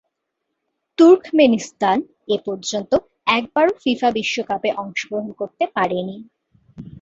Turkmenistan এপর্যন্ত একবারও FIFA বিশ্বকাপে অংশগ্রহণ করতে পারেনি।